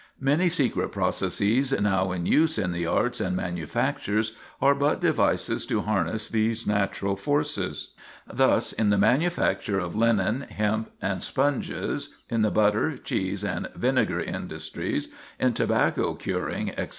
Many secret processes now in use in the arts and manufactures are but devices to harness these natural forces. Thus in the manufacture of linen, hemp, and sponges, in the butter, cheese, and vinegar industries, in tobacco curing, etc.